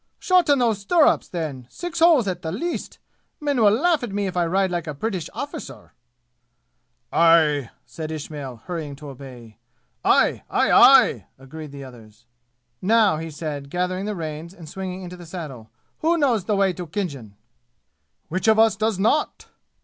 "Shorten those stirrups, then, six holes at the least! Men will laugh at me if I ride like a British arrficer!" "Aye!" said Ismail, hurrying to obey. "Aye! Aye! Aye!" agreed the others. "Now," he said, gathering the reins and swinging into the saddle, "who knows the way to Khinjan?" "Which of us does not!"